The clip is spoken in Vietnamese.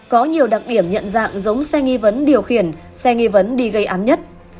có nhiều đặc điểm nhận dạng giống xe nghi vấn điều khiển xe nghi vấn đi gây án nhất